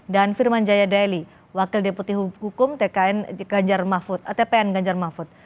dan firman jaya daly wakil deputi hukum tpn ganjar mahfud